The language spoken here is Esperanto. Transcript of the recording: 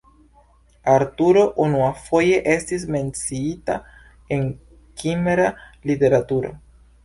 Arturo unuafoje estis menciita en kimra literaturo.